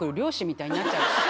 みたいになっちゃうし。